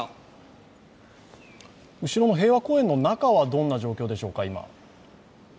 後ろの平和公園の中は今、どんな状況でしょうか？